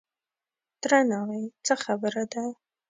_تره ناوې! څه خبره ده؟